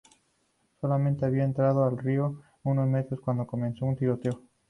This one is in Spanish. Solamente había entrado al río unos metros cuando comenzó un tiroteo.